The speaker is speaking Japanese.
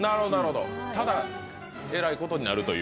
ただ、えらいことになるという。